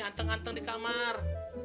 hanteng hanteng di kamar